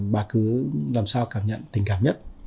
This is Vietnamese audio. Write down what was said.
bà cứ làm sao cảm nhận tình cảm nhất